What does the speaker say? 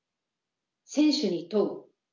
「選手に問う」。